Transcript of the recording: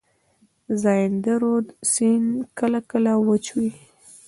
زاینده رود سیند کله کله وچ وي.